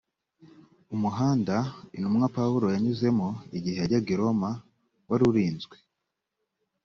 umuhanda intumwa pawulo yanyuzemo igihe yajyaga i roma warurinzwe.